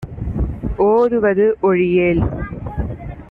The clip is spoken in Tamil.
ஓதுவது ஒழியேல்.